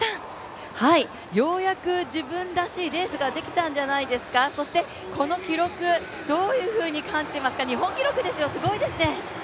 ようやく自分らしいレースができたんじゃないですか、そして、この記録、どういうふうに感じてますか日本記録ですよ、すごいですね。